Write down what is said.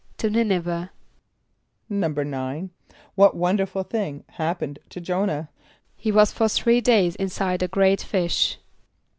=To N[)i]n´e veh.= =9.= What wonderful thing happened to J[=o]´nah? =He was for three days inside a great fish.